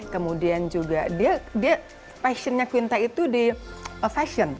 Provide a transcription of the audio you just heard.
kemudian juga dia fashion nya quinta itu di fashion